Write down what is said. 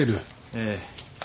ええ。